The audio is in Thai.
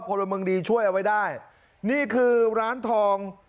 พลเมืองดีช่วยเอาไว้ได้นี่คือร้านทอง